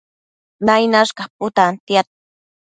Nainash caputantiad